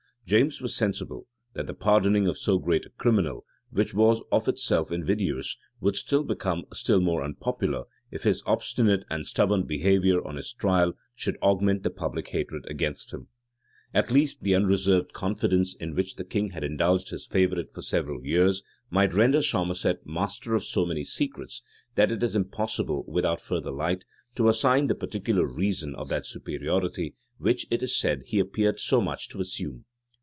James was sensible, that the pardoning of so great a criminal, which was of itself invidious, would become still more unpopular, if his obstinate and stubborn behavior on his trial should augment the public hatred against him.[] At least, the unreserved confidence in which the king had indulged his favorite for several years, might render Somerset master of so many secrets, that it is impossible, without further light, to assign the particular reason of that superiority which, it is said, he appeared so much to assume.